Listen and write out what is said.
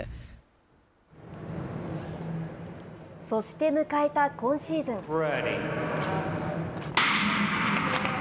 そして迎えた今シーズン。